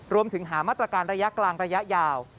รวมถึงหามาตรการระยะกลางระยะยาว